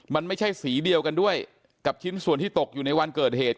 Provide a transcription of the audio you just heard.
มันไม่ใช่สีเดียวกันด้วยกับชิ้นส่วนที่ตกอยู่ในวันเกิดเหตุ